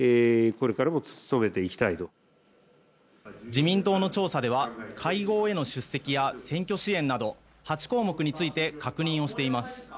自民党の調査では会合への出席や選挙支援など８項目について確認をしています。